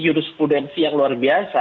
juruskudensi yang luar biasa